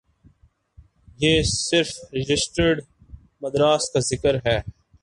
یہ صرف رجسٹرڈ مدارس کا ذکر ہے۔